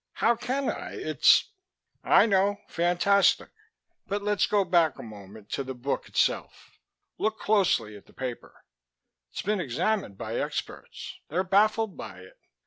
How can I? It's " "I know. Fantastic. But let's go back a moment to the book itself. Look closely at the paper; it's been examined by experts. They're baffled by it.